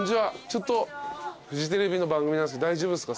ちょっとフジテレビの番組なんですけど大丈夫ですか？